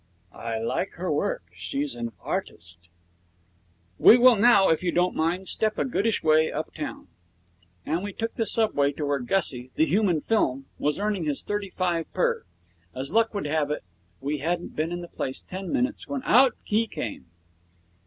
'I like her work. She's an artist.' 'We will now, if you don't mind, step a goodish way uptown.' And we took the subway to where Gussie, the human film, was earning his thirty five per. As luck would have it, we hadn't been in the place ten minutes when out he came.